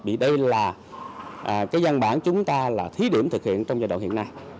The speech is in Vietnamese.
vì đây là cái dân bản chúng ta là thí điểm thực hiện trong giai đoạn hiện nay